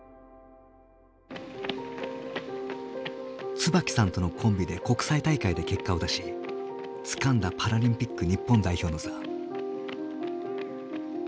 椿さんとのコンビで国際大会で結果を出しつかんだパラリンピック日本代表の座。